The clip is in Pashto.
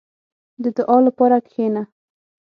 • د دعا لپاره کښېنه.